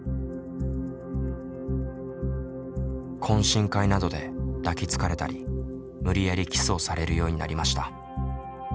懇親会などで抱きつかれたり無理やりキスをされるようになりました。